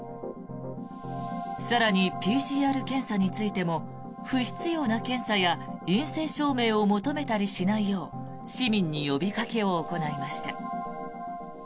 更に、ＰＣＲ検査についても不必要な検査や陰性証明を求めたりしないよう市民に呼びかけを行いました。